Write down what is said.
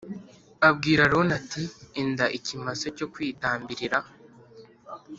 Abwira Aroni ati Enda ikimasa cyo kwitambirira